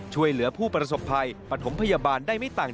ช่วยเหลือผู้ประสบภัยปฐมพยาบาลได้ไม่ต่าง